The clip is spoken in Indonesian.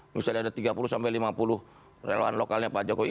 misalnya ada tiga puluh sampai lima puluh relawan lokalnya pak jokowi